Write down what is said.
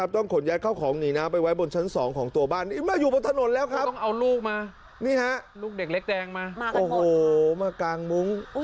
ต้องเอาลูกมาลูกเด็กเล็กแดงมามากันหมดค่ะโอ้โฮมากลางมุ้ง